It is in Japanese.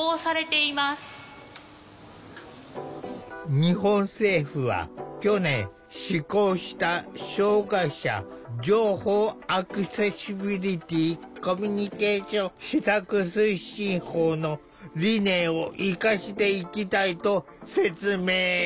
日本政府は去年施行した障害者情報アクセシビリティ・コミュニケーション施策推進法の理念を生かしていきたいと説明。